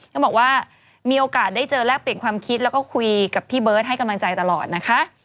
เขาบอกว่ามีโอกาสได้เจอแลกเปลี่ยนความคิดแล้วก็คุยกับพี่เบิร์ตให้กำลังใจตลอดนะคะ